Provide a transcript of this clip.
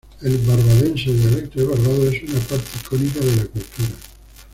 El barbadense, o dialecto de Barbados es una parte icónica de la cultura.